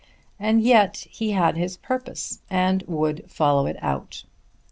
And yet he had his purpose and would follow it out.